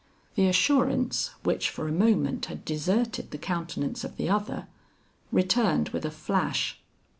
The assurance which for a moment had deserted the countenance of the other, returned with a flash.